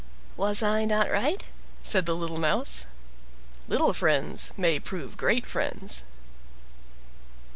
"Was I not right?" said the little Mouse. "LITTLE FRIENDS MAY PROVE GREAT FRIENDS."